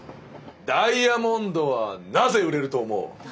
ダイヤモンドはなぜ売れると思う？